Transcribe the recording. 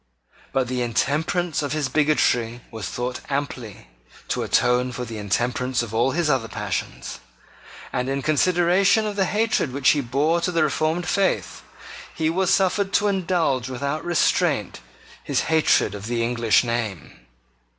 But the intemperance of his bigotry was thought amply to atone for the intemperance of all his other passions; and, in consideration of the hatred which he bore to the reformed faith, he was suffered to indulge without restraint his hatred of the English name.